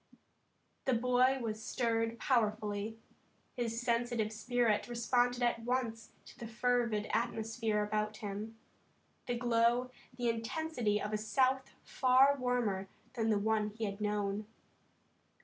The boy was stirred powerfully. His sensitive spirit responded at once to the fervid atmosphere about him, to the color, the glow, the intensity of a South far warmer than the one he had known.